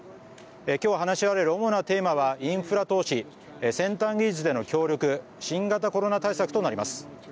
今日、話し合われる主なテーマはインフラ投資先端技術での協力新型コロナ対策となります。